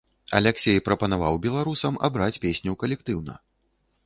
Аляксей прапаноўваў беларусам абраць песню калектыўна.